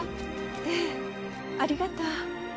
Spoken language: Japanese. ええありがとう。